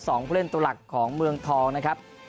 ผู้เล่นตัวหลักของเมืองทองนะครับ